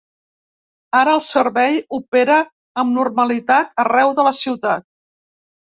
Ara el servei opera amb normalitat arreu de la ciutat.